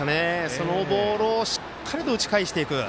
そのボールをしっかりと打ち返していく。